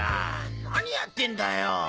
何やってんだよ。